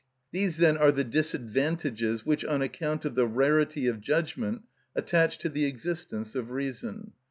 These, then, are the disadvantages which, on account of the rarity of judgment, attach to the existence of reason.